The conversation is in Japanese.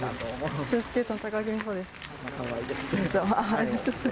スピードスケートの高木美帆です。